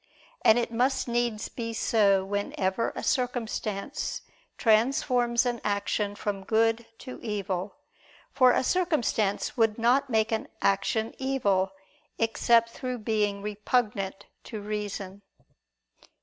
And it must needs be so whenever a circumstance transforms an action from good to evil; for a circumstance would not make an action evil, except through being repugnant to reason.